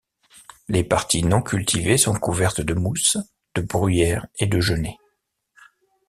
Les parties non cultivées sont couvertes de mousse, de bruyères et de genêts.